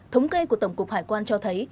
thống kê của tổng cục hải quan cho thấy